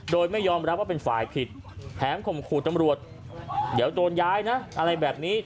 โดยไม่ยอมรับว่าเป็นฝ่ายผิดแถมข่มขู่ตำรวจเดี๋ยวโดนย้ายนะอะไรแบบนี้